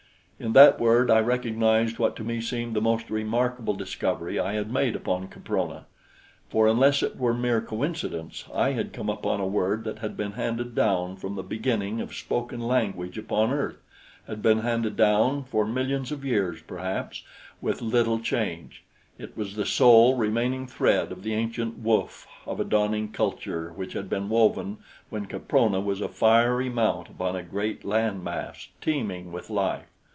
In that word I recognized what to me seemed the most remarkable discovery I had made upon Caprona, for unless it were mere coincidence, I had come upon a word that had been handed down from the beginning of spoken language upon earth, been handed down for millions of years, perhaps, with little change. It was the sole remaining thread of the ancient woof of a dawning culture which had been woven when Caprona was a fiery mount upon a great land mass teeming with life.